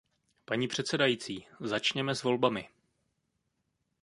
Paní předsedající, začněme s volbami.